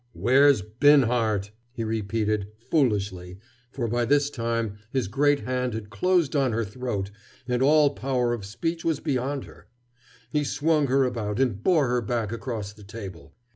"Where's Binhart?" he repeated, foolishly, for by this time his great hand had closed on her throat and all power of speech was beyond her. He swung her about and bore her back across the table.